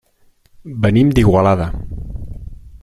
Venim d'Igualada.